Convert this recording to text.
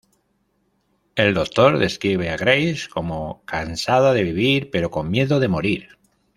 El Doctor describe a Grace como "cansada de vivir pero con miedo de morir".